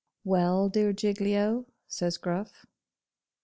'Well, dear Giglio,' says Gruff.